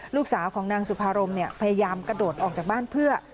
ลูกสาวของนางสุภารมพยายามกระโดดออกจากบ้านเพื่อ